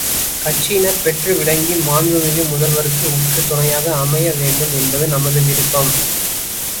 கட்சியினர் பெற்று விளங்கி மாண்புமிகு முதல்வருக்கு உற்ற துணையாக அமைய வேண்டும் என்பது நமது விருப்பம்.